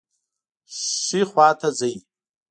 ښي خواته ځئ